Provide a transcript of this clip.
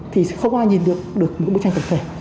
thì sẽ không ai nhìn được được một bức tranh cực kỳ